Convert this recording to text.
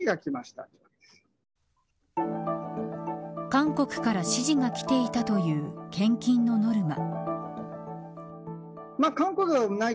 韓国から指示がきていたという献金のノルマ。